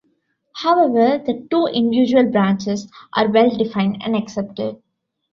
However, the two individual branches are well defined and accepted.